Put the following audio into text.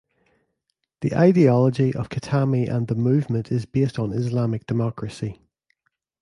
The ideology of Khatami and the movement is based on Islamic democracy.